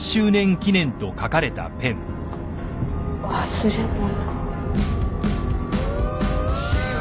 忘れ物？